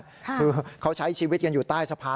คือเขาใช้ชีวิตกันอยู่ใต้สะพาน